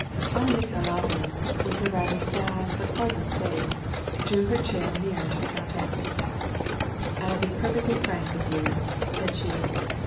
Anna Mikhailovna, with her rather sad, but pleasant face, drew her chair nearer to the countess. "I will be perfectly frank with you," said she.